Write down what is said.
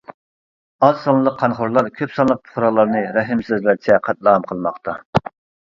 ئازسانلىق قانخورلار كۆپ سانلىق پۇقرالارنى رەھىمسىزلەرچە قەتلىئام قىلماقتا.